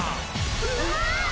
うわ！